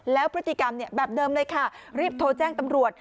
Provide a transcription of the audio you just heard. แล้วพฤติกรรมแบบเดิมเลยค่ะรีบโทรแจ้งตำรวจ